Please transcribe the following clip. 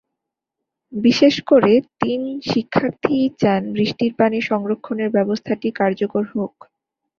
বিশেষ করে তিন শিক্ষার্থীই চান বৃষ্টির পানি সংরক্ষণের ব্যবস্থাটি কার্যকর হোক।